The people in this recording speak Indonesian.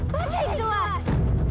baca yang jelas